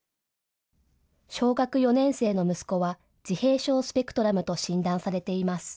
小学４年生の息子は自閉症スペクトラムと診断されています。